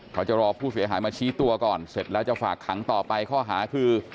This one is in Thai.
เขาจะรอผู้เสียหายมาชี้ตัวก่อนเสร็จแล้วจะฝากขังต่อไปข้อหาคือ